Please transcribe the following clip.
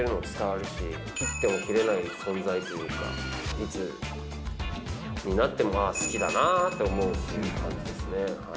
いつになってもああ好きだなって思うっていう感じですね。